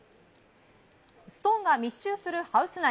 ストーンが密集するハウス内